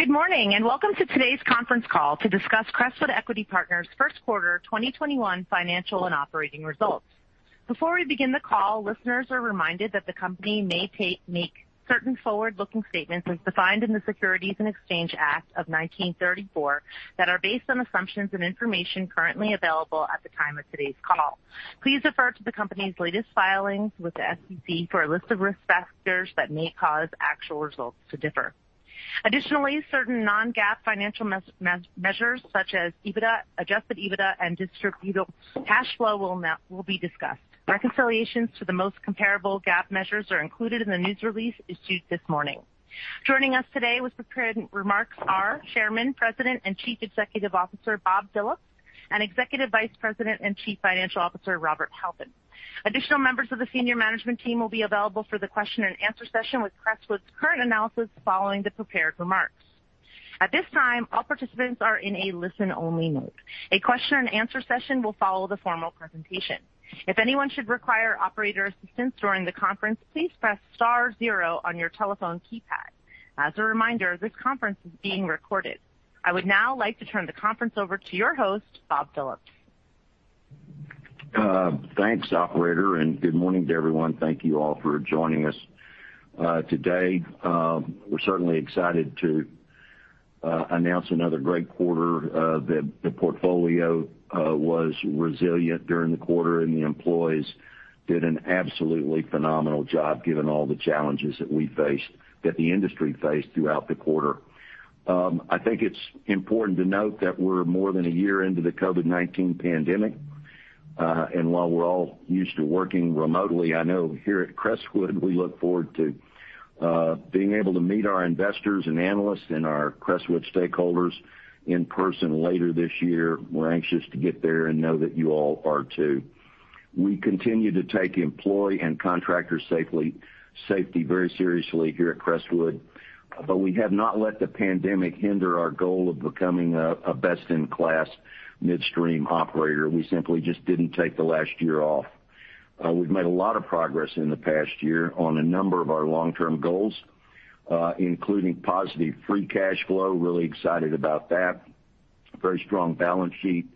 Good morning, welcome to today's conference call to discuss Crestwood Equity Partners' first quarter 2021 financial and operating results. Before we begin the call, listeners are reminded that the company may make certain forward-looking statements as defined in the Securities Exchange Act of 1934 that are based on assumptions and information currently available at the time of today's call. Please refer to the company's latest filings with the SEC for a list of risk factors that may cause actual results to differ. Additionally, certain non-GAAP financial measures such as EBITDA, adjusted EBITDA, and distributable cash flow will be discussed. Reconciliations to the most comparable GAAP measures are included in the news release issued this morning. Joining us today with prepared remarks are Chairman, President, and Chief Executive Officer, Bob Phillips, and Executive Vice President and Chief Financial Officer, Robert Halpin. Additional members of the senior management team will be available for the question-and-answer session with Crestwood's current analysts following the prepared remarks. At this time, all participants are in a listen-only mode. A question-and-answer session will follow the formal presentation. If anyone should require operator assistance during the conference, please press star zero on your telephone keypad. As a reminder, this conference is being recorded. I would now like to turn the conference over to your host, Bob Phillips. Thanks, operator. Good morning to everyone. Thank you all for joining us today. We're certainly excited to announce another great quarter. The portfolio was resilient during the quarter, and the employees did an absolutely phenomenal job given all the challenges that we faced, that the industry faced throughout the quarter. I think it's important to note that we're more than a year into the COVID-19 pandemic. While we're all used to working remotely, I know here at Crestwood, we look forward to being able to meet our investors and analysts and our Crestwood stakeholders in-person later this year. We're anxious to get there and know that you all are, too. We continue to take employee and contractor safety very seriously here at Crestwood, but we have not let the pandemic hinder our goal of becoming a best-in-class midstream operator. We simply just didn't take the last year off. We've made a lot of progress in the past year on a number of our long-term goals, including positive free cash flow, really excited about that. Very strong balance sheet,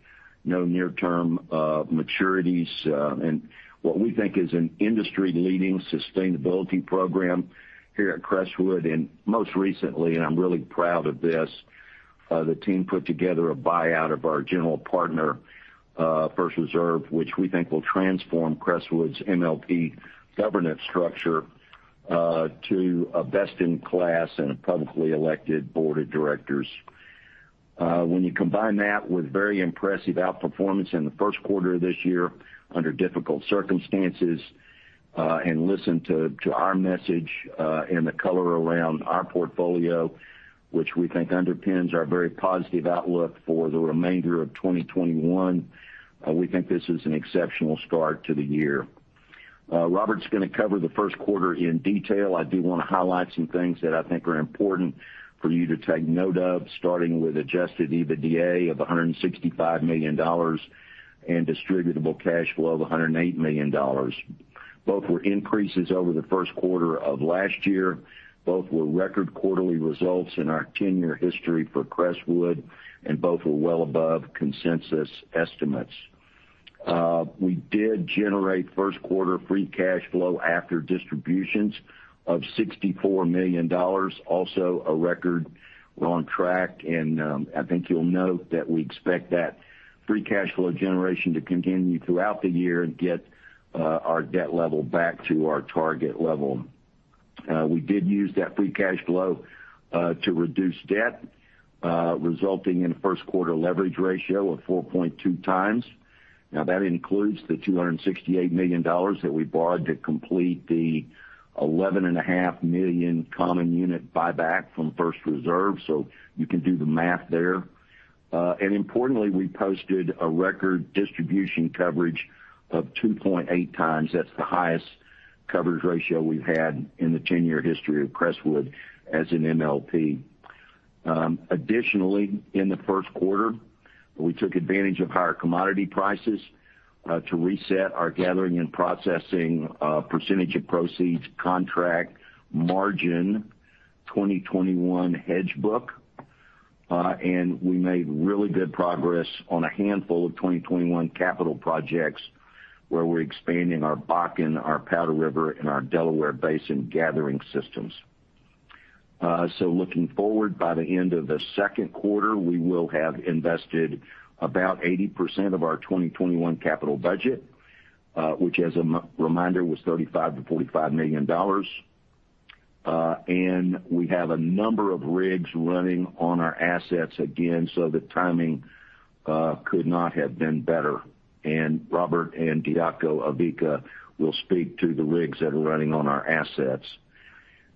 no near-term maturities, and what we think is an industry-leading sustainability program here at Crestwood. Most recently, and I'm really proud of this, the team put together a buyout of our general partner, First Reserve, which we think will transform Crestwood's MLP governance structure to a best-in-class and a publicly elected Board of directors. When you combine that with very impressive outperformance in the first quarter of this year under difficult circumstances, and listen to our message and the color around our portfolio, which we think underpins our very positive outlook for the remainder of 2021, we think this is an exceptional start to the year. Robert's going to cover the first quarter in detail. I do want to highlight some things that I think are important for you to take note of, starting with adjusted EBITDA of $165 million and distributable cash flow of $108 million. Both were increases over the first quarter of last year. Both were record quarterly results in our 10-year history for Crestwood, and both were well above consensus estimates. We did generate first quarter free cash flow after distributions of $64 million. Also a record. We're on track and I think you'll note that we expect that free cash flow generation to continue throughout the year and get our debt level back to our target level. We did use that free cash flow to reduce debt, resulting in a first quarter leverage ratio of 4.2x. That includes the $268 million that we borrowed to complete the 11.5 million common unit buyback from First Reserve, so you can do the math there. Importantly, we posted a record distribution coverage of 2.8x. That's the highest coverage ratio we've had in the 10-year history of Crestwood as an MLP. Additionally, in the first quarter, we took advantage of higher commodity prices to reset our gathering and processing percentage of proceeds contract margin 2021 hedge book. We made really good progress on a handful of 2021 capital projects where we're expanding our Bakken, our Powder River, and our Delaware Basin gathering systems. Looking forward, by the end of the second quarter, we will have invested about 80% of our 2021 capital budget, which as a reminder, was $35 million-$45 million. We have a number of rigs running on our assets again, so the timing could not have been better. Robert and Diaco Aviki will speak to the rigs that are running on our assets.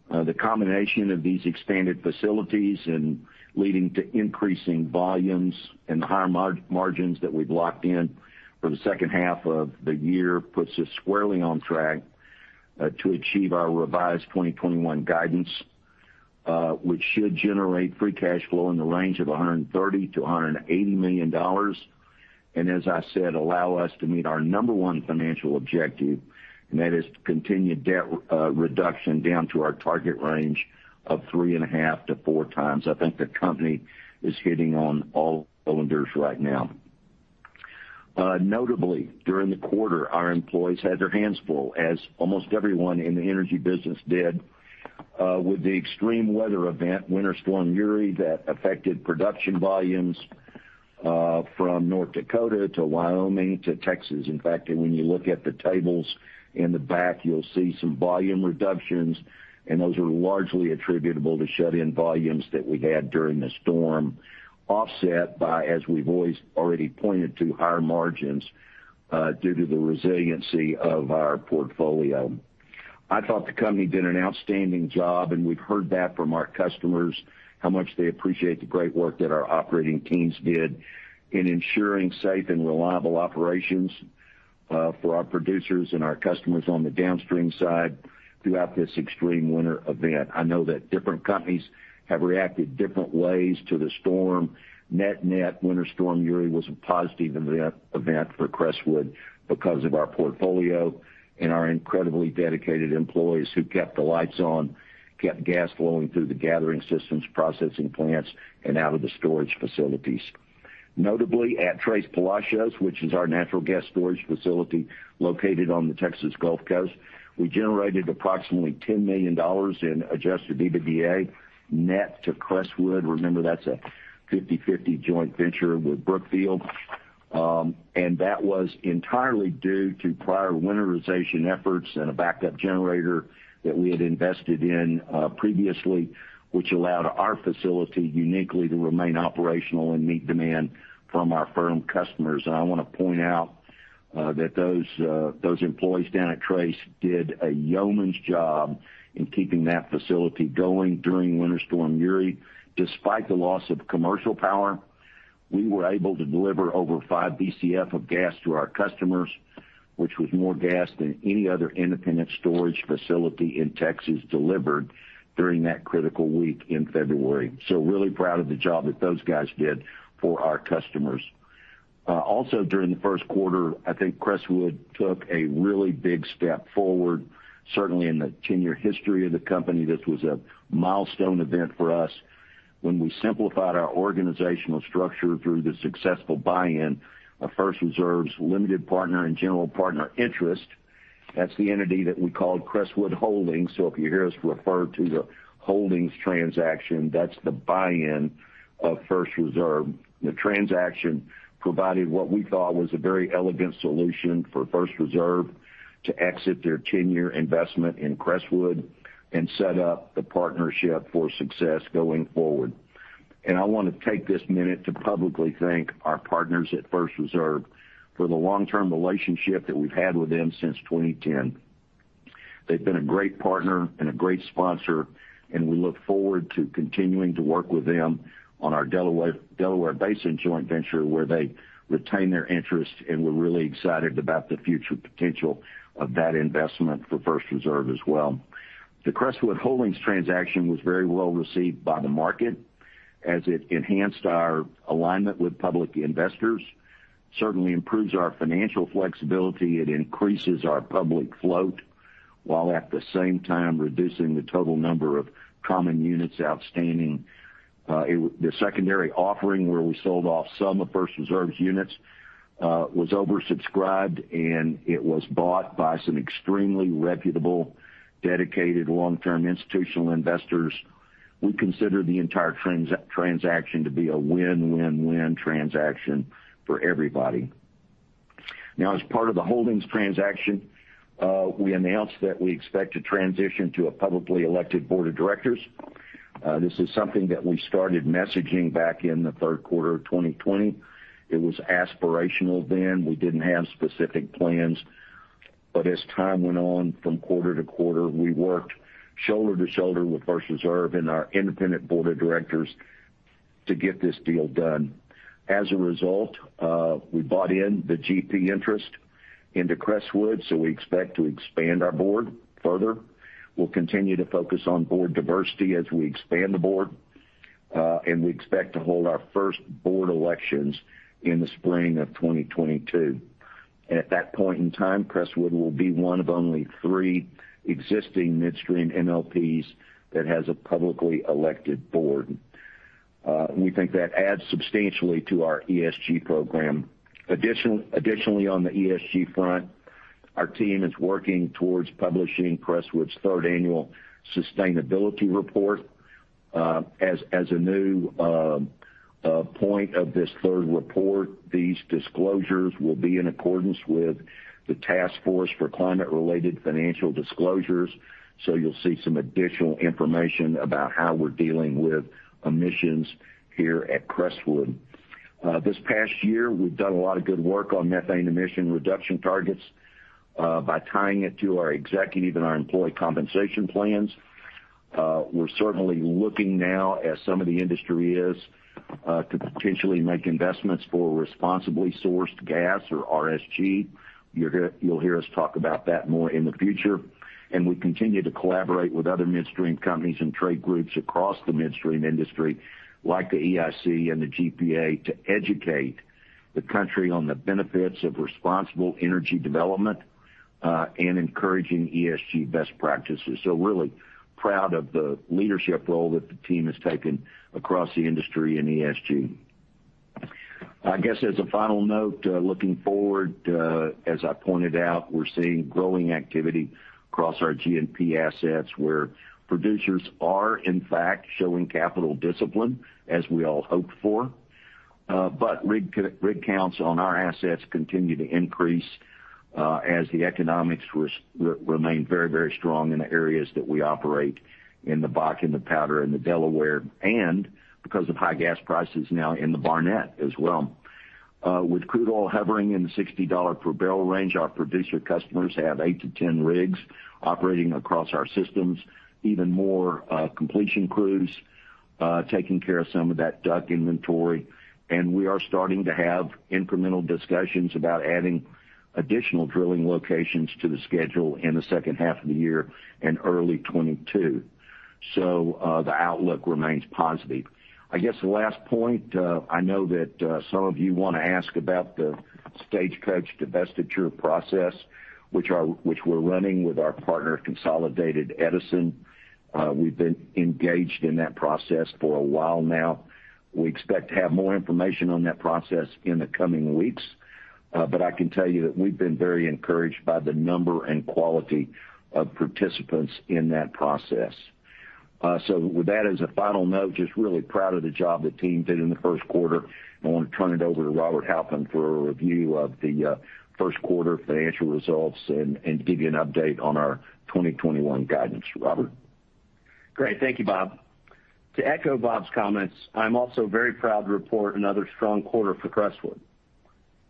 The combination of these expanded facilities and leading to increasing volumes and higher margins that we've locked in for the second half of the year puts us squarely on track to achieve our revised 2021 guidance which should generate free cash flow in the range of $130 million-$180 million. As I said, allow us to meet our number one financial objective, and that is to continue debt reduction down to our target range of 3.5x-4x, I think the company is hitting on all cylinders right now. Notably, during the quarter, our employees had their hands full as almost everyone in the energy business did with the extreme weather event, Winter Storm Uri, that affected production volumes from North Dakota to Wyoming to Texas. In fact, when you look at the tables in the back, you'll see some volume reductions, and those are largely attributable to shut-in volumes that we had during the storm, offset by, as we've already pointed to, higher margins, due to the resiliency of our portfolio. I thought the company did an outstanding job, and we've heard that from our customers, how much they appreciate the great work that our operating teams did in ensuring safe and reliable operations for our producers and our customers on the downstream side throughout this extreme winter event. I know that different companies have reacted different ways to the storm. Net-net, Winter Storm Uri was a positive event for Crestwood because of our portfolio and our incredibly dedicated employees who kept the lights on, kept gas flowing through the gathering systems, processing plants, and out of the storage facilities. Notably, at Tres Palacios, which is our natural gas storage facility located on the Texas Gulf Coast, we generated approximately $10 million in adjusted EBITDA net to Crestwood. Remember, that's a 50-50 joint venture with Brookfield and that was entirely due to prior winterization efforts and a backup generator that we had invested in previously, which allowed our facility uniquely to remain operational and meet demand from our firm customers. I want to point out that those employees down at Tres did a yeoman's job in keeping that facility going during Winter Storm Uri. Despite the loss of commercial power, we were able to deliver over 5 Bcf of gas to our customers, which was more gas than any other independent storage facility in Texas delivered during that critical week in February. Really proud of the job that those guys did for our customers. Also during the first quarter, I think Crestwood took a really big step forward. Certainly in the 10-year history of the company, this was a milestone event for us when we simplified our organizational structure through the successful buy-in of First Reserve's limited partner and general partner interest. That's the entity that we call Crestwood Holdings. If you hear us refer to the Holdings transaction, that's the buy-in of First Reserve. The transaction provided what we thought was a very elegant solution for First Reserve to exit their 10-year investment in Crestwood and set up the partnership for success going forward. I want to take this minute to publicly thank our partners at First Reserve for the long-term relationship that we've had with them since 2010. They've been a great partner and a great sponsor. We look forward to continuing to work with them on our Delaware Basin joint venture, where they retain their interest, and we're really excited about the future potential of that investment for First Reserve as well. The Crestwood Holdings transaction was very well received by the market as it enhanced our alignment with public investors. Certainly improves our financial flexibility. It increases our public float, while at the same time reducing the total number of common units outstanding. The secondary offering, where we sold off some of First Reserve's units, was oversubscribed, and it was bought by some extremely reputable, dedicated long-term institutional investors. We consider the entire transaction to be a win-win-win transaction for everybody. As part of the Holdings transaction, we announced that we expect to transition to a publicly elected Board of directors. This is something that we started messaging back in the third quarter of 2020. It was aspirational then. We didn't have specific plans. As time went on from quarter-to-quarter, we worked shoulder to shoulder with First Reserve and our independent Board of directors to get this deal done. As a result, we bought in the GP interest into Crestwood, so we expect to expand our Board further. We'll continue to focus on Board diversity as we expand the Board and we expect to hold our first Board elections in the spring of 2022. At that point in time, Crestwood will be one of only three existing midstream MLPs that has a publicly elected Board. We think that adds substantially to our ESG program. Additionally, on the ESG front, our team is working towards publishing Crestwood's third annual sustainability report. As a new point of this third report, these disclosures will be in accordance with the Task Force on Climate-related Financial Disclosures. You'll see some additional information about how we're dealing with emissions here at Crestwood. This past year, we've done a lot of good work on methane emission reduction targets, by tying it to our executive and our employee compensation plans. We're certainly looking now, as some of the industry is, to potentially make investments for responsibly sourced gas or RSG. You'll hear us talk about that more in the future. We continue to collaborate with other midstream companies and trade groups across the midstream industry, like the EIC and the GPA, to educate the country on the benefits of responsible energy development, and encouraging ESG best practices. Really proud of the leadership role that the team has taken across the industry in ESG. I guess as a final note, looking forward, as I pointed out, we're seeing growing activity across our G&P assets where producers are, in fact, showing capital discipline, as we all hoped for. Rig counts on our assets continue to increase as the economics remain very strong in the areas that we operate in the Bakken, the Powder, and the Delaware, and because of high gas prices now in the Barnett as well. With crude oil hovering in the $60 per barrel range, our producer customers have eight to 10 rigs operating across our systems, even more completion crews taking care of some of that DUC inventory. We are starting to have incremental discussions about adding additional drilling locations to the schedule in the second half of the year and early 2022 so Tthe outlook remains positive. I guess the last point, I know that some of you want to ask about the Stagecoach divestiture process, which we're running with our partner, Consolidated Edison. We've been engaged in that process for a while now. We expect to have more information on that process in the coming weeks. I can tell you that we've been very encouraged by the number and quality of participants in that process. With that as a final note, just really proud of the job the team did in the first quarter. I want to turn it over to Robert Halpin for a review of the first quarter financial results and to give you an update on our 2021 guidance. Robert? Great. Thank you, Bob. To echo Bob's comments, I'm also very proud to report another strong quarter for Crestwood.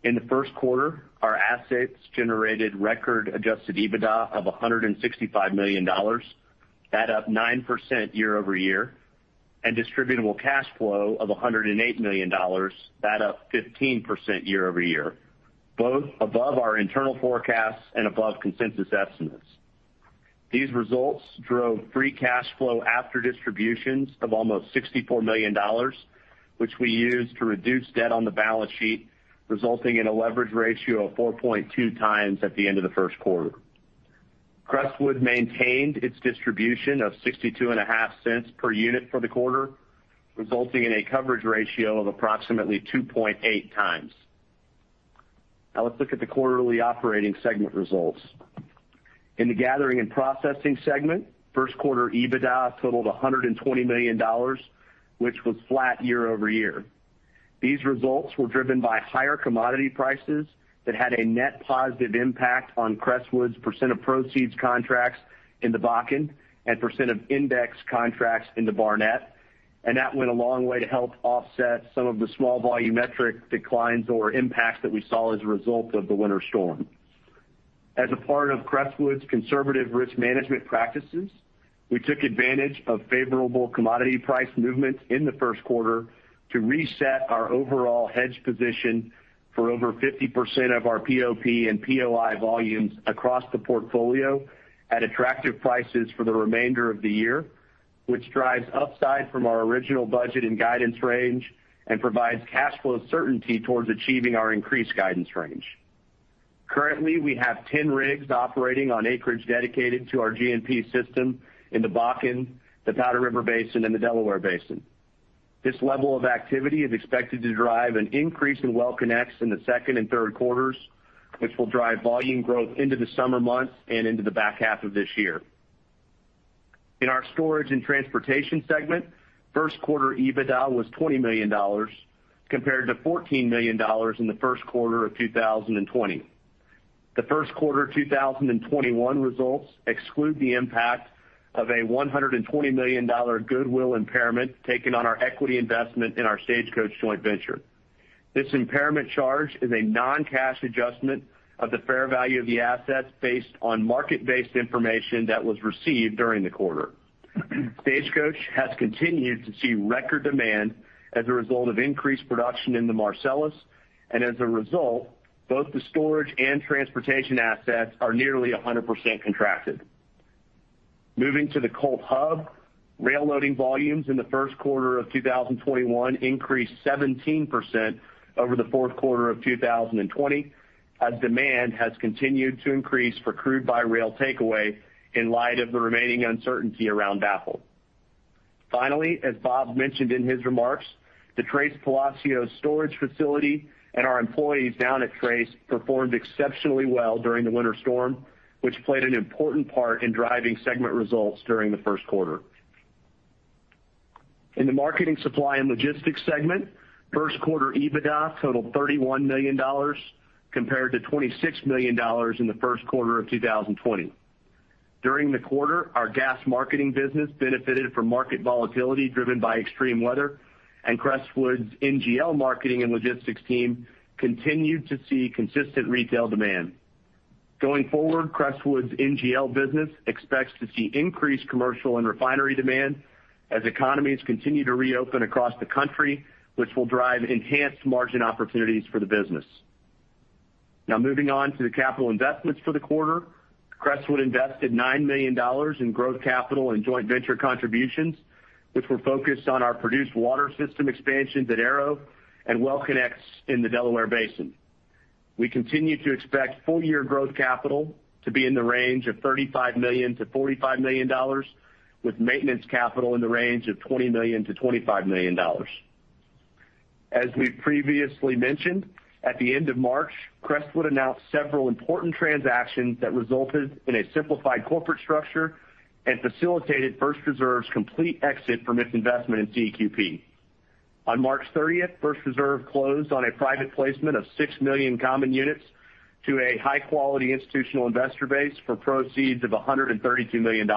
In the first quarter, our assets generated record adjusted EBITDA of $165 million, that up 9% year-over-year, and distributable cash flow of $108 million, that up 15% year-over-year, both above our internal forecasts and above consensus estimates. These results drove free cash flow after distributions of almost $64 million, which we used to reduce debt on the balance sheet, resulting in a leverage ratio of 4.2x at the end of the first quarter. Crestwood maintained its distribution of $0.625 per unit for the quarter, resulting in a coverage ratio of approximately 2.8x. Now let's look at the quarterly operating segment results. In the Gathering and Processing Segment, first quarter EBITDA totaled $120 million, which was flat year-over-year. These results were driven by higher commodity prices that had a net positive impact on Crestwood's percent of proceeds contracts in the Bakken and percent of index contracts in the Barnett, and that went a long way to help offset some of the small volumetric declines or impacts that we saw as a result of the winter storm. As a part of Crestwood's conservative risk management practices, we took advantage of favorable commodity price movements in the first quarter to reset our overall hedge position for over 50% of our POP and POI volumes across the portfolio at attractive prices for the remainder of the year, which drives upside from our original budget and guidance range and provides cash flow certainty towards achieving our increased guidance range. Currently, we have 10 rigs operating on acreage dedicated to our G&P system in the Bakken, the Powder River Basin, and the Delaware Basin. This level of activity is expected to drive an increase in well connects in the second and third quarters, which will drive volume growth into the summer months and into the back half of this year. In our Storage and Transportation segment, first quarter EBITDA was $20 million compared to $14 million in the first quarter of 2020. The first quarter 2021 results exclude the impact of a $120 million goodwill impairment taken on our equity investment in our Stagecoach joint venture. This impairment charge is a non-cash adjustment of the fair value of the assets based on market-based information that was received during the quarter. Stagecoach has continued to see record demand as a result of increased production in the Marcellus, and as a result, both the Storage and Transportation assets are nearly 100% contracted. Moving to the COLT Hub, rail loading volumes in the first quarter of 2021 increased 17% over the fourth quarter of 2020, as demand has continued to increase for crude-by-rail takeaway in light of the remaining uncertainty around DAPL. Finally, as Bob mentioned in his remarks, the Tres Palacios storage facility and our employees down at Tres performed exceptionally well during the Winter Storm, which played an important part in driving segment results during the first quarter. In the Marketing, Supply and Logistics segment, first quarter EBITDA totaled $31 million compared to $26 million in the first quarter of 2020. During the quarter, our gas marketing business benefited from market volatility driven by extreme weather, and Crestwood's NGL marketing and logistics team continued to see consistent retail demand. Going forward, Crestwood's NGL business expects to see increased commercial and refinery demand as economies continue to reopen across the country, which will drive enhanced margin opportunities for the business. Now moving on to the capital investments for the quarter. Crestwood invested $9 million in growth capital and joint venture contributions, which were focused on our produced water system expansions at Arrow and well connects in the Delaware Basin. We continue to expect full year growth capital to be in the range of $35 million-$45 million, with maintenance capital in the range of $20 million-$25 million. As we've previously mentioned, at the end of March, Crestwood announced several important transactions that resulted in a simplified corporate structure and facilitated First Reserve's complete exit from its investment in CEQP. On March 30th, First Reserve closed on a private placement of 6 million common units to a high-quality institutional investor base for proceeds of $132 million.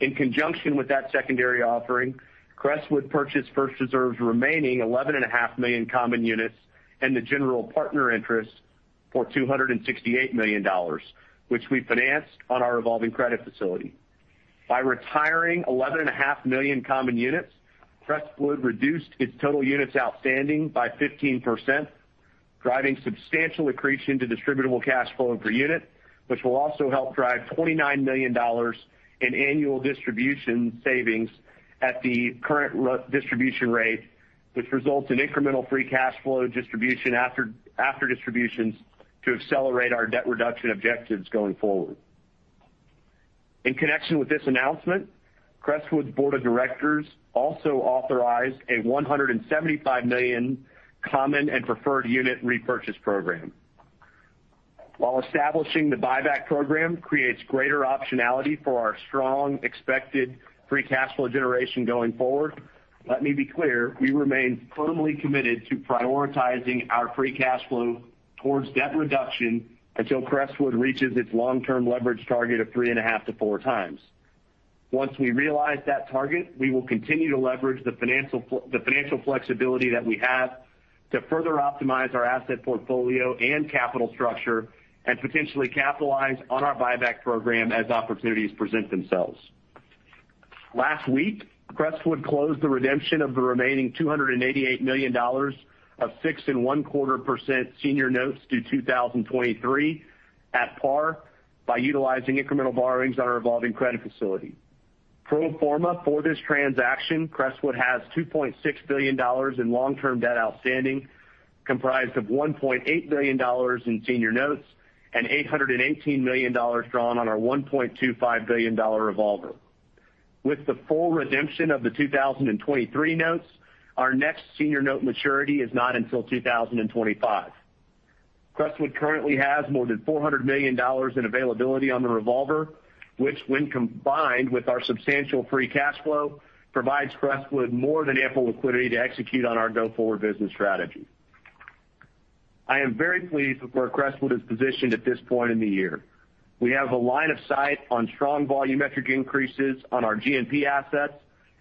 In conjunction with that secondary offering, Crestwood purchased First Reserve's remaining 11.5 million common units and the general partner interest for $268 million, which we financed on our revolving credit facility. By retiring 11.5 million common units, Crestwood reduced its total units outstanding by 15%, driving substantial accretion to distributable cash flow per unit, which will also help drive $29 million in annual distribution savings at the current distribution rate, which results in incremental free cash flow distribution after distributions to accelerate our debt reduction objectives going forward. In connection with this announcement, Crestwood's Board of Directors also authorized a $175 million common and preferred unit repurchase program. While establishing the buyback program creates greater optionality for our strong expected free cash flow generation going forward, let me be clear, we remain firmly committed to prioritizing our free cash flow towards debt reduction until Crestwood reaches its long-term leverage target of 3.5x-4x. Once we realize that target, we will continue to leverage the financial flexibility that we have to further optimize our asset portfolio and capital structure and potentially capitalize on our buyback program as opportunities present themselves. Last week, Crestwood closed the redemption of the remaining $288 million of 6.25% senior notes due 2023 at par by utilizing incremental borrowings on our revolving credit facility. Pro forma for this transaction, Crestwood has $2.6 billion in long-term debt outstanding, comprised of $1.8 billion in senior notes and $818 million drawn on our $1.25 billion revolver. With the full redemption of the 2023 notes, our next senior note maturity is not until 2025. Crestwood currently has more than $400 million in availability on the revolver, which when combined with our substantial free cash flow, provides Crestwood more than ample liquidity to execute on our go-forward business strategy. I am very pleased with where Crestwood is positioned at this point in the year. We have a line of sight on strong volumetric increases on our G&P assets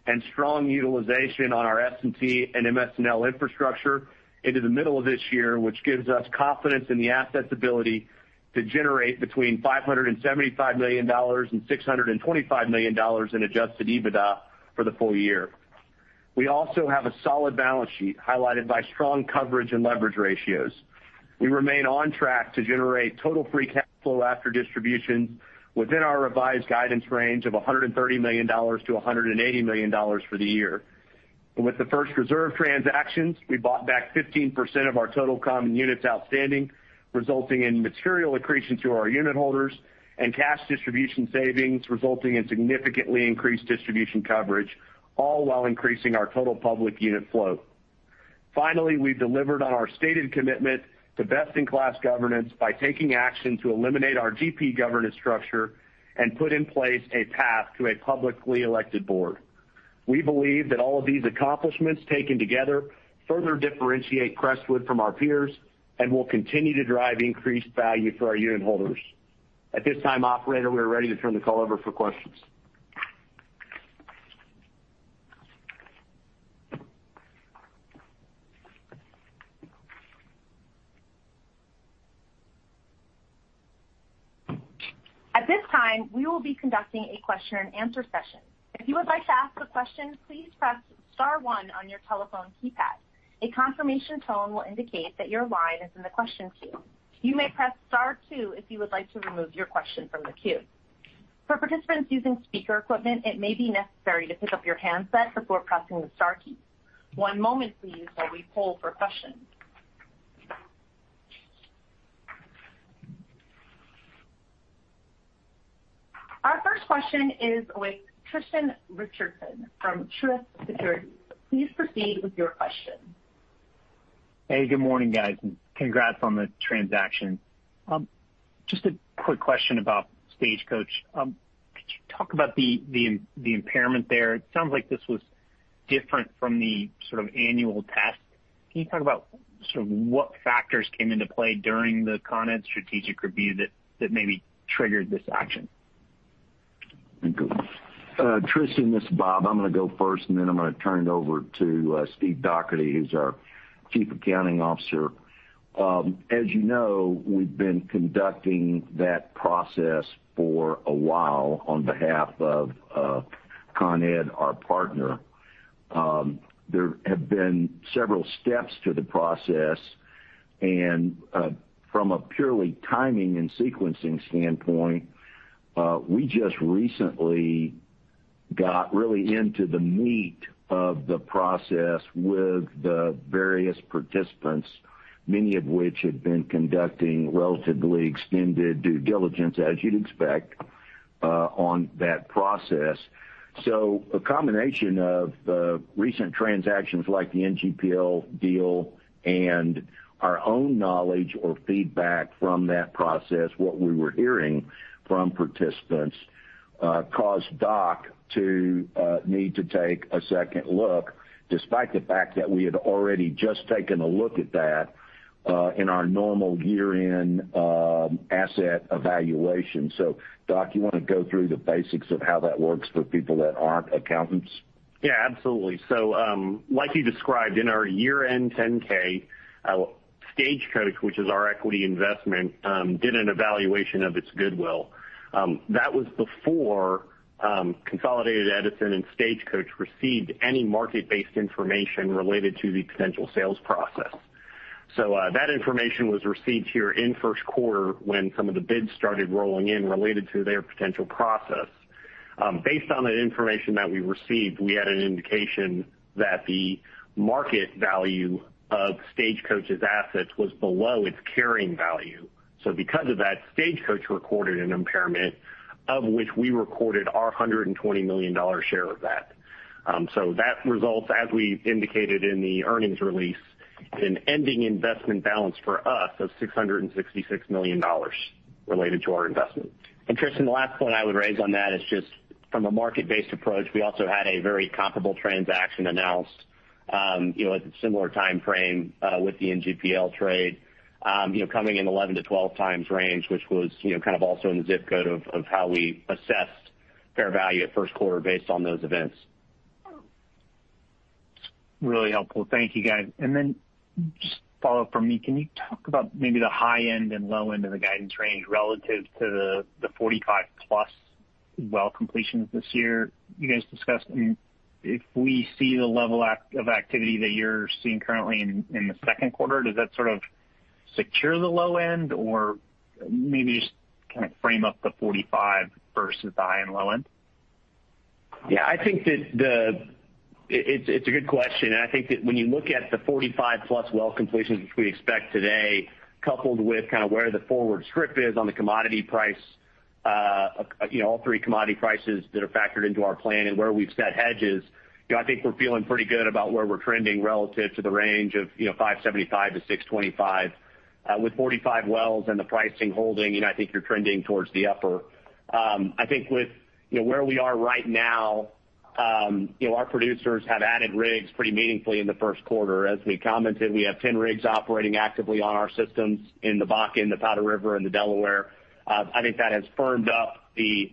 and strong utilization on our S&T and MS&L infrastructure into the middle of this year, which gives us confidence in the asset's ability to generate between $575 million and $625 million in adjusted EBITDA for the full year. We also have a solid balance sheet highlighted by strong coverage and leverage ratios. We remain on track to generate total free cash flow after distributions within our revised guidance range of $130 million-$180 million for the year. With the First Reserve transactions, we bought back 15% of our total common units outstanding, resulting in material accretion to our unit holders and cash distribution savings resulting in significantly increased distribution coverage, all while increasing our total public unit flow. Finally, we've delivered on our stated commitment to best-in-class governance by taking action to eliminate our GP governance structure and put in place a path to a publicly elected Board. We believe that all of these accomplishments taken together further differentiate Crestwood from our peers and will continue to drive increased value for our unit holders. At this time, operator, we are ready to turn the call over for questions. At this time we will be conducting a question-and-answer session. If you would like to answer a question, please press star one on your telephone keypad. A confirmation tone will indicate that your line is in the question queue. You may press star two if you would like to remove your question from the queue. For participants using a speaker, it may be neessary to put up your hand before pressing the star key. One moment please as we pull for questions. Our first question is with Tristan Richardson from Truist Securities. Please proceed with your question. Hey, good morning, guys, and congrats on the transaction. Just a quick question about Stagecoach. Could you talk about the impairment there? It sounds like this was different from the sort of annual test. Can you talk about sort of what factors came into play during the Con Ed strategic review that maybe triggered this action? Thank you. Tristan, this is Bob. I'm going to go first, and then I'm going to turn it over to Steve Dougherty, who's our Chief Accounting Officer. As you know, we've been conducting that process for a while on behalf of Con Ed, our partner. There have been several steps to the process, and from a purely timing and sequencing standpoint, we just recently got really into the meat of the process with the various participants, many of which had been conducting relatively extended due diligence, as you'd expect, on that process. A combination of recent transactions like the NGPL deal and our own knowledge or feedback from that process, what we were hearing from participants, caused Doc to need to take a second look, despite the fact that we had already just taken a look at that in our normal year-end asset evaluation. Doc, you want to go through the basics of how that works for people that aren't accountants? Absolutely. Like you described, in our year-end 10-K, Stagecoach, which is our equity investment, did an evaluation of its goodwill. That was before Consolidated Edison and Stagecoach received any market-based information related to the potential sales process. That information was received here in first quarter when some of the bids started rolling in related to their potential process. Based on the information that we received, we had an indication that the market value of Stagecoach's assets was below its carrying value. Because of that, Stagecoach recorded an impairment of which we recorded our $120 million share of that. That results, as we indicated in the earnings release, an ending investment balance for us of $666 million related to our investment. Tristan, the last point I would raise on that is just from a market-based approach, we also had a very comparable transaction announced at a similar timeframe, with the NGPL trade, coming in 11x-12x range, which was kind of also in the ZIP code of how we assessed fair value at first quarter based on those events. Really helpful. Thank you, guys. Just follow up from me, can you talk about maybe the high end and low end of the guidance range relative to the 45+` well completions this year you guys discussed? If we see the level of activity that you're seeing currently in the second quarter, does that sort of secure the low end? Maybe just kind of frame up the 45 versus the high and low end? Yeah, it's a good question, and I think that when you look at the 45+ well completions, which we expect today, coupled with kind of where the forward strip is on the commodity price, all three commodity prices that are factored into our plan and where we've set hedges, I think we're feeling pretty good about where we're trending relative to the range of $575-$625. With 45 wells and the pricing holding, I think you're trending towards the upper. I think with where we are right now, our producers have added rigs pretty meaningfully in the first quarter. As we commented, we have 10 rigs operating actively on our systems in the Bakken, the Powder River, and the Delaware. I think that has firmed up the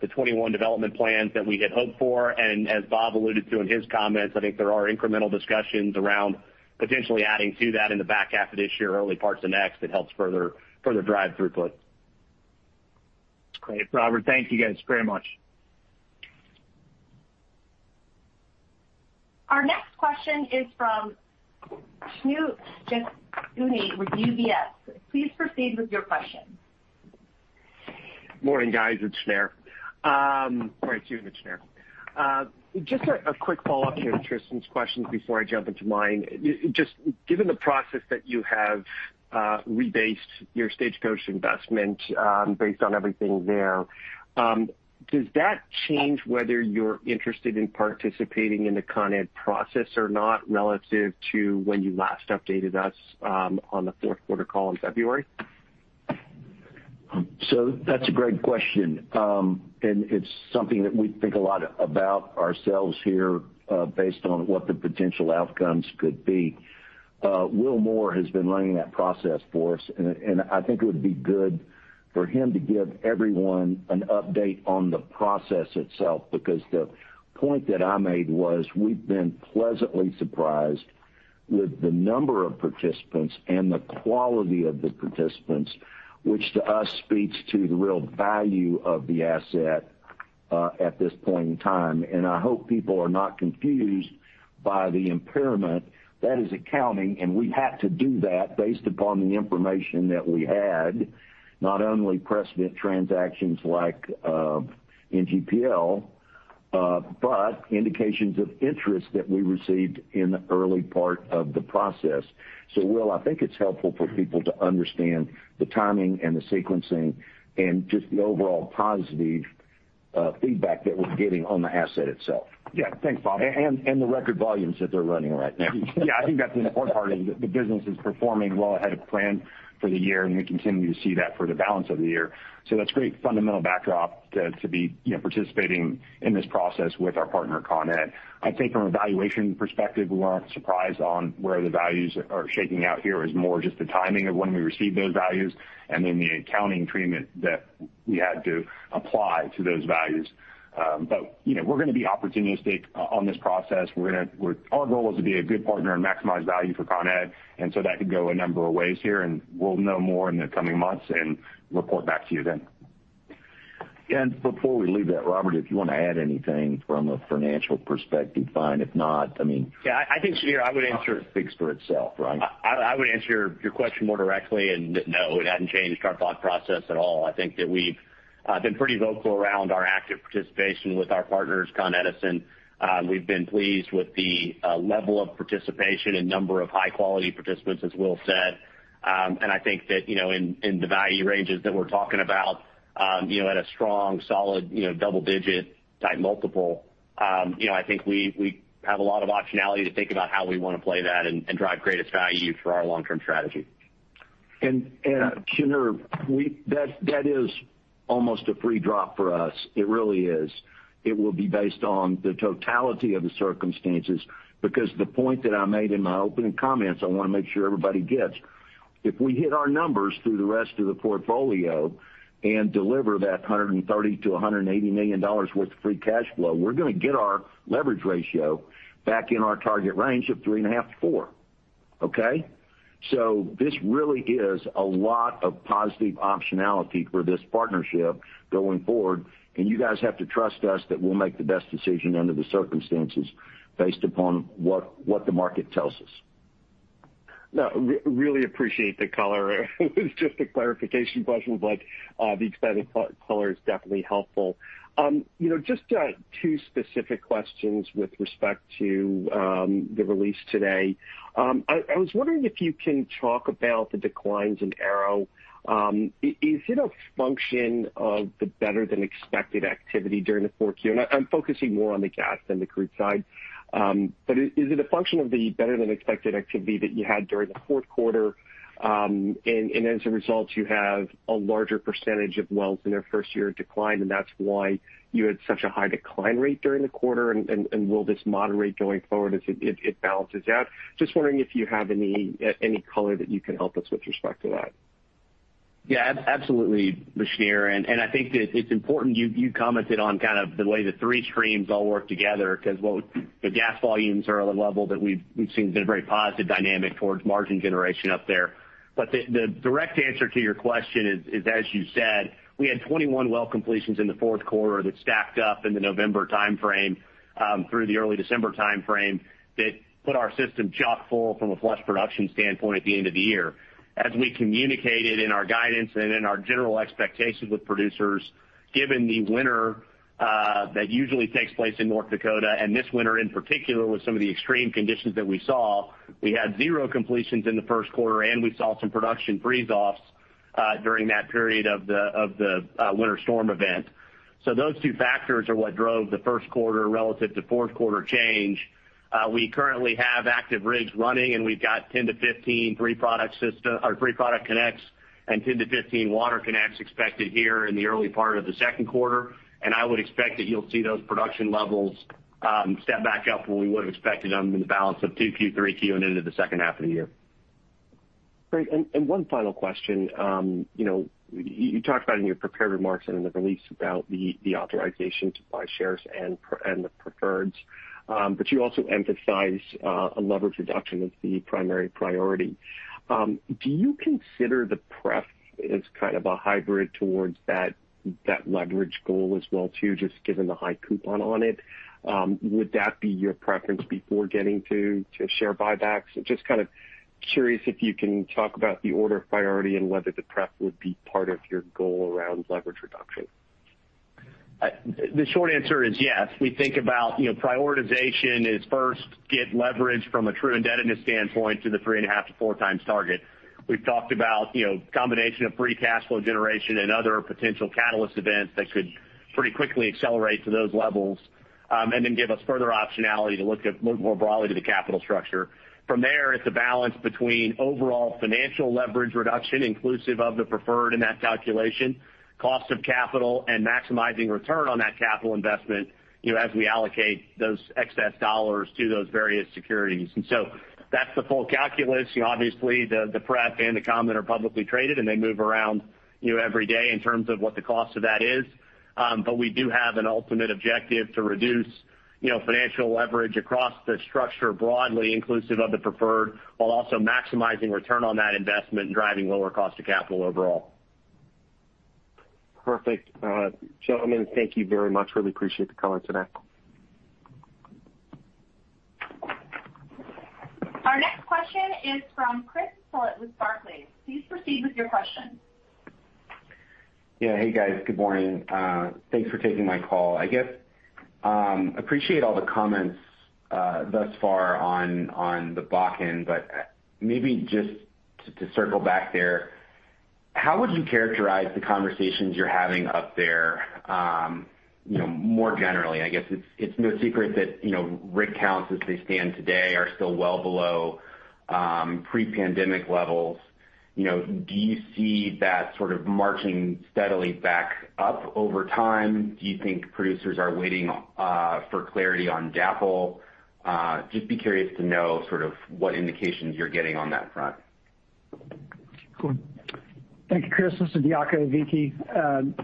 2021 development plans that we had hoped for, and as Bob alluded to in his comments, I think there are incremental discussions around potentially adding to that in the back half of this year, early parts of next. It helps further drive throughput. Great, Robert. Thank you guys very much. Our next question is from Shneur Gershuni with UBS. Please proceed with your question. Morning, guys. It's Shneur. Sorry, Shneur. Just a quick follow-up here to Tristan's questions before I jump into mine. Just given the process that you have rebased your Stagecoach investment, based on everything there, does that change whether you're interested in participating in the Con Ed process or not relative to when you last updated us on the fourth quarter call in February? That's a great question and it's something that we think a lot about ourselves here, based on what the potential outcomes could be. Will Moore has been running that process for us, and I think it would be good for him to give everyone an update on the process itself, because the point that I made was we've been pleasantly surprised with the number of participants and the quality of the participants, which to us speaks to the real value of the asset at this point in time. I hope people are not confused by the impairment. That is accounting, and we had to do that based upon the information that we had, not only precedent transactions like NGPL, but indications of interest that we received in the early part of the process. Will, I think it's helpful for people to understand the timing and the sequencing and just the overall positive feedback that we're getting on the asset itself. Yeah. Thanks, Bob. The record volumes that they're running right now. I think that's an important part of it. The business is performing well ahead of plan for the year, and we continue to see that for the balance of the year. That's great fundamental backdrop to be participating in this process with our partner, Con Ed. I think from a valuation perspective, we weren't surprised on where the values are shaking out here. It's more just the timing of when we receive those values and then the accounting treatment that we had to apply to those values. We're going to be opportunistic on this process. Our goal is to be a good partner and maximize value for Con Ed, that could go a number of ways here, and we'll know more in the coming months and report back to you then. Before we leave that, Robert, if you want to add anything from a financial perspective, fine. If not- Yeah, I think, Shneur Gershuni answered. ...It kind of speaks for itself, right? I would answer your question more directly that no, it hasn't changed our thought process at all. We've been pretty vocal around our active participation with our partners, Con Edison. We've been pleased with the level of participation and number of high-quality participants, as Will said. In the value ranges that we're talking about at a strong, solid, double-digit type multiple. We have a lot of optionality to think about how we want to play that and drive greatest value for our long-term strategy. Shneur, that is almost a free drop for us. It really is. It will be based on the totality of the circumstances, because the point that I made in my opening comments, I want to make sure everybody gets. If we hit our numbers through the rest of the portfolio and deliver that $130 million-$180 million worth of free cash flow, we're going to get our leverage ratio back in our target range of 3.5x-4x. Okay? This really is a lot of positive optionality for this partnership going forward, and you guys have to trust us that we'll make the best decision under the circumstances based upon what the market tells us. Really appreciate the color. It was just a clarification question. The expanded color is definitely helpful. Just two specific questions with respect to the release today. I was wondering if you can talk about the declines in Arrow. I'm focusing more on the gas than the crude side. Is it a function of the better-than-expected activity that you had during the fourth quarter, and as a result, you have a larger percentage of wells in their first year decline, and that's why you had such a high decline rate during the quarter? Will this moderate going forward as it balances out? Just wondering if you have any color that you can help us with respect to that. Absolutely, Shneur, I think that it's important you commented on kind of the way the three streams all work together because the gas volumes are at a level that we've seen has been a very positive dynamic towards margin generation up there. The direct answer to your question is, as you said, we had 21 well completions in the fourth quarter that stacked up in the November timeframe, through the early December timeframe, that put our system chock-full from a flush production standpoint at the end of the year. As we communicated in our guidance and in our general expectations with producers, given the winter that usually takes place in North Dakota and this winter, in particular, with some of the extreme conditions that we saw, we had zero completions in the first quarter, and we saw some production freeze offs during that period of the winter storm event. Those two factors are what drove the first quarter relative to fourth quarter change. We currently have active rigs running, and we've got 10-15 three product connects and 10-15 water connects expected here in the early part of the second quarter. I would expect that you'll see those production levels step back up where we would've expected them in the balance of 2Q, 3Q, and into the second half of the year. Great. One final question. You talked about in your prepared remarks and in the release about the authorization to buy shares and the preferreds. You also emphasized a leverage reduction as the primary priority. Do you consider the pref as kind of a hybrid towards that leverage goal as well, too, just given the high coupon on it? Would that be your preference before getting to share buybacks? Just kind of curious if you can talk about the order of priority and whether the pref would be part of your goal around leverage reduction. The short answer is yes. We think about prioritization is first get leverage from a true indebtedness standpoint to the 3.5x-4x target. We've talked about a combination of free cash flow generation and other potential catalyst events that could pretty quickly accelerate to those levels. Give us further optionality to look more broadly to the capital structure. From there, it's a balance between overall financial leverage reduction, inclusive of the preferred in that calculation, cost of capital, and maximizing return on that capital investment as we allocate those excess dollars to those various securities. That's the full calculus. Obviously, the pref and the common are publicly traded, and they move around every day in terms of what the cost of that is. We do have an ultimate objective to reduce financial leverage across the structure broadly inclusive of the preferred, while also maximizing return on that investment and driving lower cost of capital overall. Perfect. Gentlemen, thank you very much. Really appreciate the color today. Our next question is from Chris Tillett with Barclays. Please proceed with your question. Yeah. Hey, guys. Good morning. Thanks for taking my call. I guess, appreciate all the comments thus far on the back end, but maybe just to circle back there, how would you characterize the conversations you're having up there more generally? I guess it's no secret that rig counts as they stand today are still well below pre-pandemic levels. Do you see that sort of marching steadily back up over time? Do you think producers are waiting for clarity on DAPL? Just be curious to know sort of what indications you're getting on that front. Cool. Thank you, Chris. This is Diaco Aviki.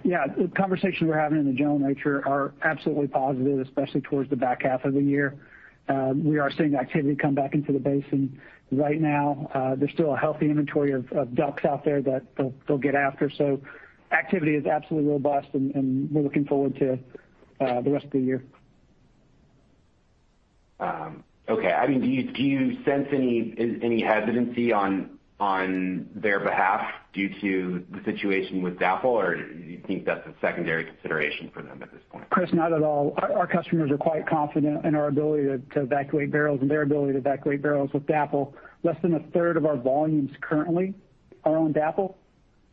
The conversations we're having in the general nature are absolutely positive, especially towards the back half of the year. We are seeing activity come back into the basin. Right now, there's still a healthy inventory of DUC out there that they'll get after, activity is absolutely robust, and we're looking forward to the rest of the year. Okay. Do you sense any hesitancy on their behalf due to the situation with DAPL, do you think that's a secondary consideration for them at this point? Chris, not at all. Our customers are quite confident in our ability to evacuate barrels and their ability to evacuate barrels with DAPL. Less than 1/3 of our volumes currently are on DAPL,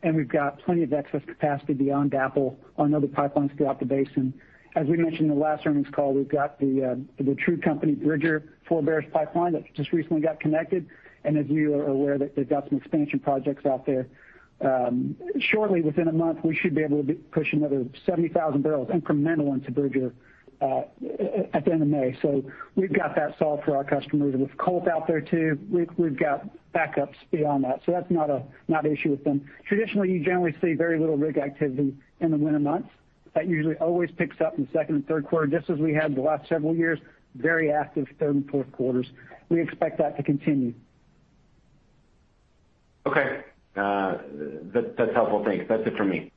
we have got plenty of excess capacity beyond DAPL on other pipelines throughout the basin. As we mentioned in the last earnings call, we have got the True Companies Bridger Four Bears pipeline that just recently got connected. As you are aware, they have got some expansion projects out there. Shortly, within a month, we should be able to push another 70,000 bbls incrementally into Bridger at the end of May. We have got that solved for our customers. With COLT out there too, we have got backups beyond that is not an issue with them. Traditionally, you generally see very little rig activity in the winter months. That usually always picks up in the second and third quarter, just as we have the last several years, very active third and fourth quarters. We expect that to continue. Okay. That's helpful. Thanks. That's it for me.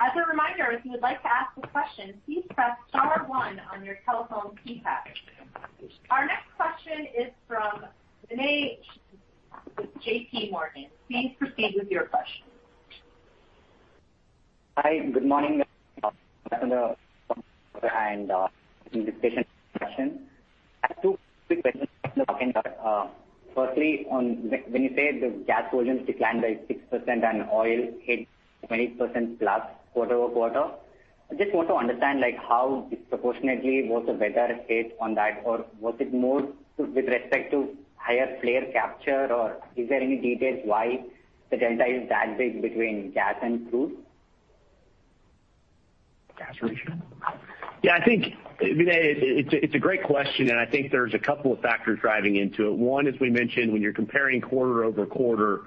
As a reminder, if you would like to ask a question, please press star one on your telephone keypad. Our next question is from Vinay with JPMorgan. Please proceed with your question. Hi. Good morning. I have two quick questions on the back end. Firstly, when you say the gas volumes declined by 6% and oil hit 20%+ quarter-over-quarter, I just want to understand how disproportionately was the weather effect on that, or was it more with respect to higher flare capture, or is there any details why the delta is that big between gas and crude? Gas ratio? Yeah, I think, Vinay, it's a great question. I think there's a couple of factors driving into it. One, as we mentioned, when you're comparing quarter-over-quarter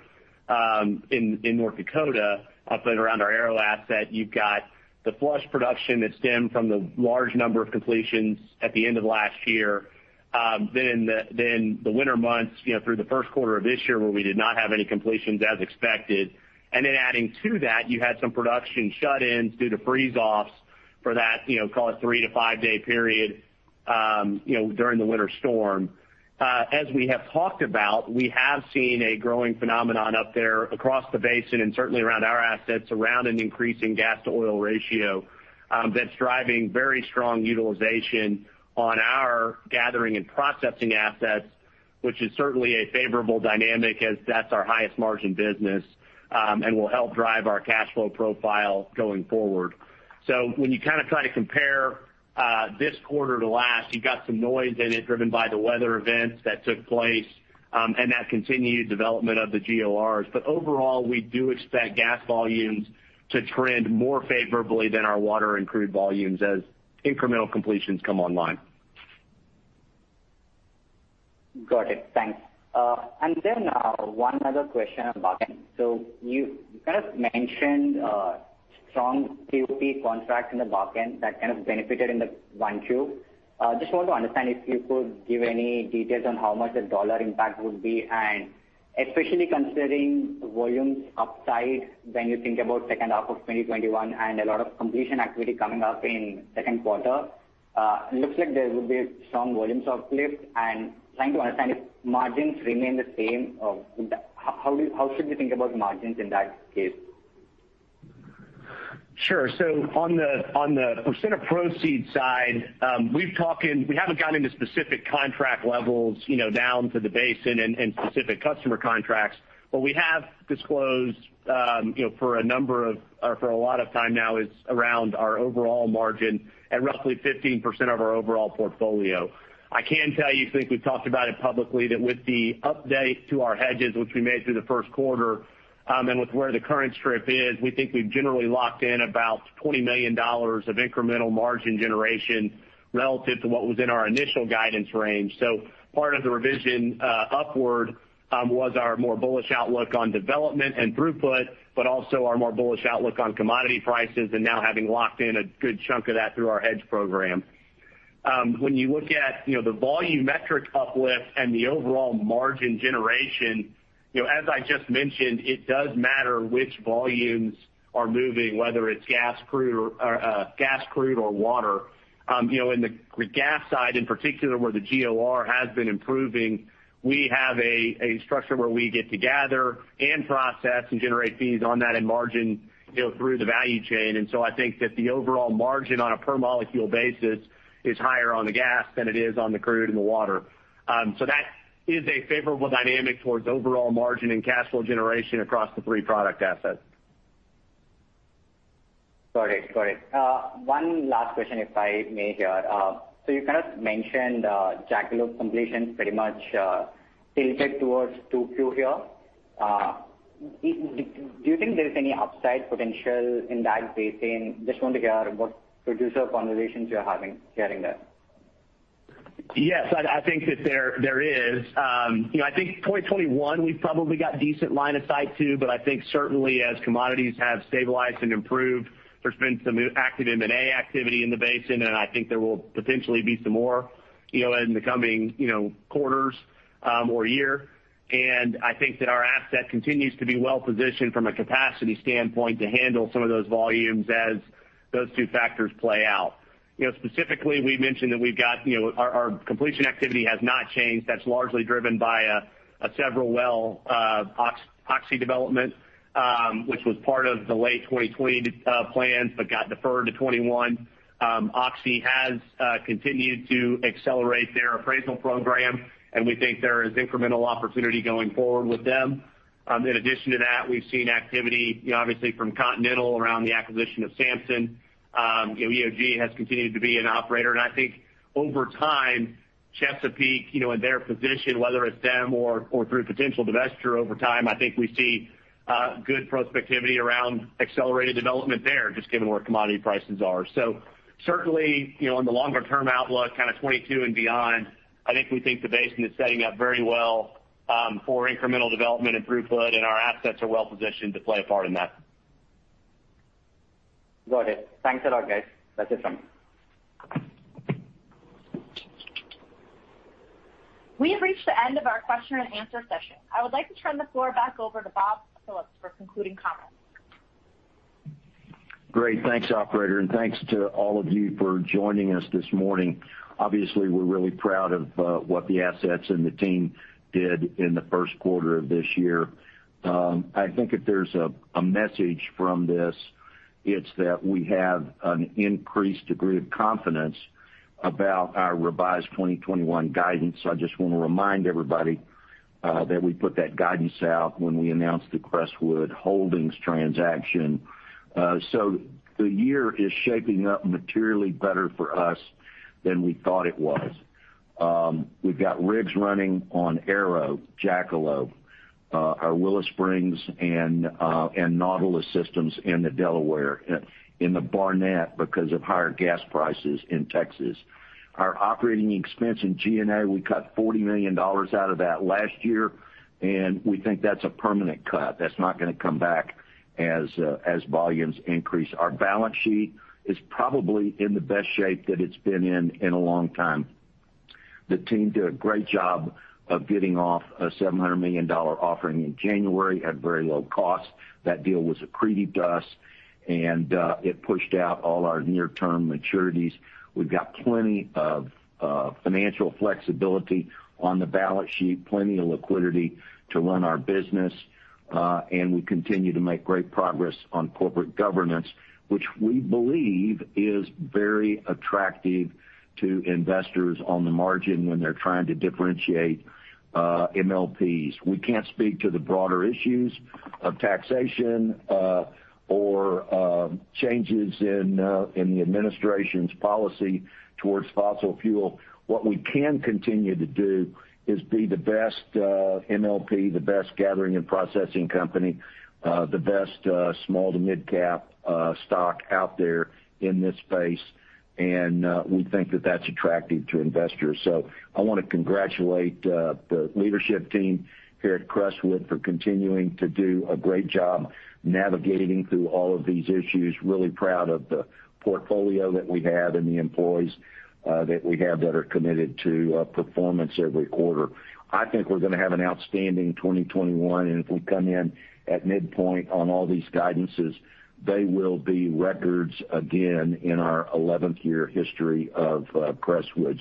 in North Dakota up and around our Arrow asset, you've got the flush production that stemmed from the large number of completions at the end of last year. The winter months through the first quarter of this year where we did not have any completions as expected. Adding to that, you had some production shut-ins due to freeze-offs for that call it three- to five-day period during Winter Storm. As we have talked about, we have seen a growing phenomenon up there across the basin and certainly around our assets around an increasing gas to oil ratio that's driving very strong utilization on our gathering and processing assets, which is certainly a favorable dynamic as that's our highest margin business and will help drive our cash flow profile going forward. When you try to compare this quarter to last, you got some noise in it driven by the weather events that took place and that continued development of the GORs. Overall, we do expect gas volumes to trend more favorably than our water and crude volumes as incremental completions come online. Got it. Thanks. One other question on the back end. You mentioned strong POP contracts in the back end that benefited in the 1Q. Want to understand if you could give any details on how much the dollar impact would be, and especially considering volumes upside when you think about second half of 2021 and a lot of completion activity coming up in second quarter. Looks like there will be strong volumes uplift and trying to understand if margins remain the same, or how should we think about margins in that case? Sure. On the percent of proceeds side, we haven't got into specific contract levels down to the basin and specific customer contracts. We have disclosed for a lot of time now is around our overall margin at roughly 15% of our overall portfolio. I can tell you, since we've talked about it publicly, that with the update to our hedges, which we made through the first quarter, and with where the current strip is, we think we've generally locked in about $20 million of incremental margin generation relative to what was in our initial guidance range. Part of the revision upward was our more bullish outlook on development and throughput, but also our more bullish outlook on commodity prices and now having locked in a good chunk of that through our hedge program. When you look at the volumetric uplift and the overall margin generation, as I just mentioned, it does matter which volumes are moving, whether it's gas, crude or water. In the gas side in particular, where the GOR has been improving, we have a structure where we get to gather and process and generate fees on that and margin through the value chain. I think that the overall margin on a per molecule basis is higher on the gas than it is on the crude and the water. That is a favorable dynamic towards overall margin and cash flow generation across the three product assets. Got it. One last question, if I may here. You kind of mentioned Jackalope completions pretty much tilted towards 2Q here. Do you think there is any upside potential in that basin? Just want to hear what producer conversations you're having getting there. Yes. I think that there is. I think 2021 we've probably got decent line of sight too, but I think certainly as commodities have stabilized and improved, there's been some active M&A activity in the basin, and I think there will potentially be some more in the coming quarters or year, and I think that our asset continues to be well-positioned from a capacity standpoint to handle those volumes as those two factors play out. Specifically, we mentioned that our completion activity has not changed. That's largely driven by several well Oxy development, which was part of the late 2020 plans but got deferred to 2021. Oxy has continued to accelerate their appraisal program, and we think there is incremental opportunity going forward with them. In addition to that, we've seen activity, obviously from Continental around the acquisition of Samson. EOG has continued to be an operator. I think over time, Chesapeake, in their position, whether it's them or through potential divesture over time, I think we see good prospectivity around accelerated development there, just given where commodity prices are. Certainly, in the longer-term outlook, kind of 2022 and beyond, I think we think the basin is setting up very well for incremental development and throughput, and our assets are well-positioned to play a part in that. Go ahead. Thanks a lot, guys. That's it from me. We have reached the end of our question-and-answer session. I would like to turn the floor back over to Bob Phillips for concluding comments. Great. Thanks, operator, and thanks to all of you for joining us this morning. Obviously, we're really proud of what the assets and the team did in the first quarter of this year. I think if there's a message from this, it's that we have an increased degree of confidence about our revised 2021 guidance. I just want to remind everybody that we put that guidance out when we announced the Crestwood Holdings transaction. The year is shaping up materially better for us than we thought it was. We've got rigs running on Arrow, Jackalope, our Willow Lake, and Nautilus systems in the Delaware, in the Barnett because of higher gas prices in Texas. Our operating expense in G&A, we cut $40 million out of that last year, and we think that's a permanent cut. That's not going to come back as volumes increase. Our balance sheet is probably in the best shape that it's been in in a long time. The team did a great job of getting off a $700 million offering in January at very low cost and it pushed out all our near-term maturities. We've got plenty of financial flexibility on the balance sheet, plenty of liquidity to run our business. We continue to make great progress on corporate governance, which we believe is very attractive to investors on the margin when they're trying to differentiate MLPs. We can't speak to the broader issues of taxation or changes in the administration's policy towards fossil fuel. What we can continue to do is be the best MLP, the best gathering and processing company, the best small to mid-cap stock out there in this space. We think that that's attractive to investors. I want to congratulate the leadership team here at Crestwood for continuing to do a great job navigating through all of these issues. Really proud of the portfolio that we have and the employees that we have that are committed to performance every quarter. I think we're going to have an outstanding 2021, and if we come in at midpoint on all these guidances, they will be records again in our 11th-year history of Crestwood.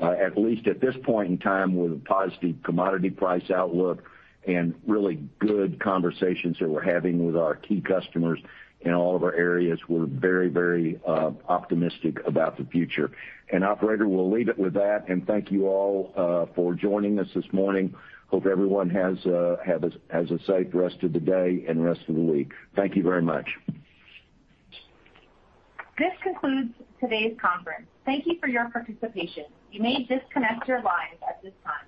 At least at this point in time, with a positive commodity price outlook and really good conversations that we're having with our key customers in all of our areas, we're very optimistic about the future. Operator, we'll leave it with that. Thank you all for joining us this morning. Hope everyone has a safe rest of the day and rest of the week. Thank you very much. This concludes today's conference. Thank you for your participation. You may disconnect your lines at this time.